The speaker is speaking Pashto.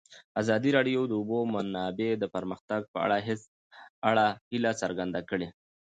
ازادي راډیو د د اوبو منابع د پرمختګ په اړه هیله څرګنده کړې.